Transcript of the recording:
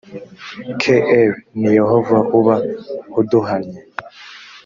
kr ni yehova uba uduhannye